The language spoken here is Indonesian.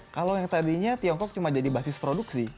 kalau yang tadinya tiongkok cuma jadi basis produksi